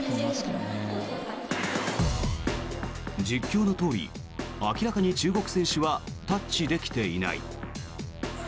実況のとおり、明らかに中国選手はタッチできていない。